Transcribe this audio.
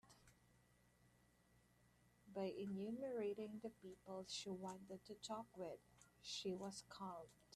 By enumerating the people she wanted to talk with, she was calmed.